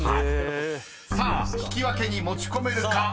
［さあ引き分けに持ち込めるか。